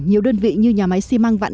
nhiều đơn vị như nhà máy xi măng vạn